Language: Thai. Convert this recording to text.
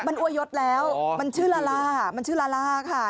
มันอวยยศแล้วมันชื่อลาล่ามันชื่อลาล่าค่ะ